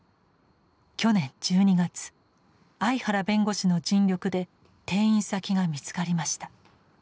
去年１２月相原弁護士の尽力で転院先が見つかりました。